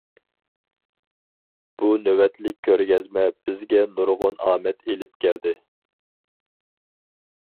بۇ نۆۋەتلىك كۆرگەزمە بىزگە نۇرغۇن ئامەت ئېلىپ كەلدى.